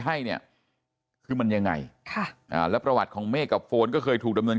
ให้เนี่ยคือมันยังไงค่ะอ่าแล้วประวัติของเมฆกับโฟนก็เคยถูกดำเนิน